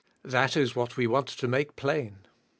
That is what we want to make plain.